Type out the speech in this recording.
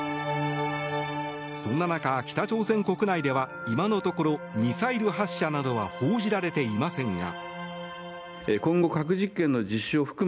そんな中、北朝鮮国内では今のところミサイル発射などは報じられていませんが。